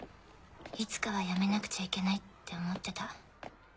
いつかはやめなくちゃいけないって思ってた。